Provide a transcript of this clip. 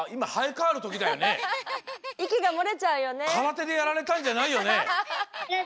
からてでやられたんじゃないよね？